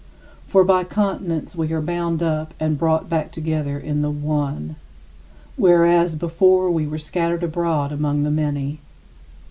For by continence we are bound up and brought back together in the One, whereas before we were scattered abroad among the many.